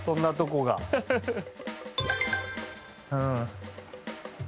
うん。